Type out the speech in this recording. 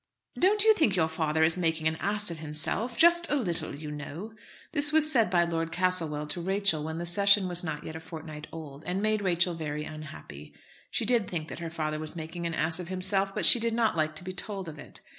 "Don't you think your father is making an ass of himself, just a little, you know?" This was said by Lord Castlewell to Rachel when the session was not yet a fortnight old, and made Rachel very unhappy. She did think that her father was making an ass of himself, but she did not like to be told of it.